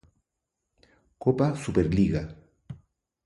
Copa superliga